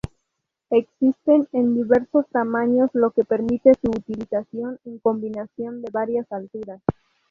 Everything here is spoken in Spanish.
Existen en diversos tamaños, lo que permite su utilización en combinación de varias alturas.